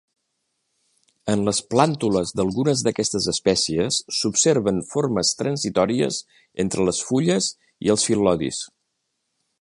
En les plàntules d'algunes d'aquestes espècies s'observen formes transitòries entre les fulles i els fil·lodis.